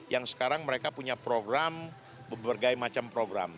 yang sekarang mereka punya program berbagai macam program